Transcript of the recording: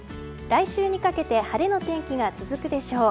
来週にかけて晴れの天気が続くでしょう。